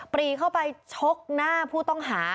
ปรีเข้าไปชกหน้าผู้ต้องหา